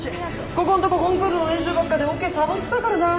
ここんとこコンクールの練習ばっかでオケサボってたからな！